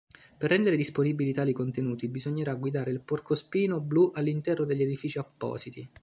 Per rendere disponibili tali contenuti bisognerà guidare il porcospino blu all'interno degli edifici appositi.